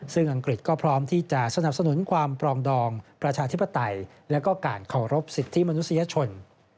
ซึ่งอังกฤษก็พร้อมที่จะสนับสนุนความปรองดองประชาธิปไตยและการเคารพสิทธิมนุษยชน